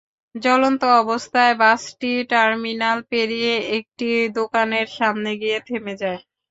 জ্বলন্ত অবস্থায় বাসটি টার্মিনাল পেরিয়ে একটি দোকানের সামনে গিয়ে থেমে যায়।